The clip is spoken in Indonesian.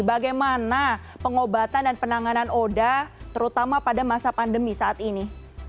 bagaimana pengobatan dan penanganan oda terutama pada masa pandemi saat ini